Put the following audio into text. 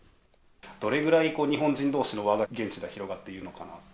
どれぐらい日本人どうしの輪が現地では広がっているのかなと。